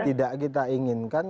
tidak kita inginkan